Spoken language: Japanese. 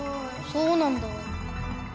そうなんだ。